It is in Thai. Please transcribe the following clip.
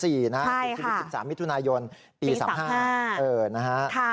ใช่ค่ะปี๑๓มิถุนายนปี๓๕นะครับใช่ค่ะ